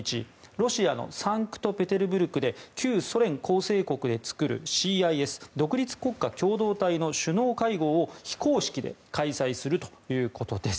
ロシアのサンクトペテルブルクで旧ソ連構成国で作るＣＩＳ・独立国家共同体の首脳会合を非公式で開催するということです。